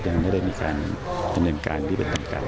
ยังไม่ได้มีการดำเนินการที่เป็นทางการ